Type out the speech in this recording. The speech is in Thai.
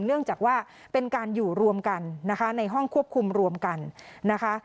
เนื่องจากว่าเป็นการอยู่รวมกันนะคะในห้องควบคุมรวมกันนะคะ